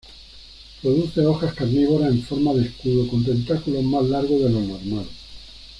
Produce hojas carnívoras en forma de escudo con tentáculos más largos de lo normal.